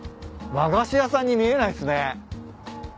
和菓子屋さんに見えないっすね。